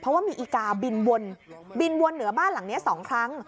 เพราะว่ามีอีกาบินวนเหนือบ้านหลังนี้๒ครั้ง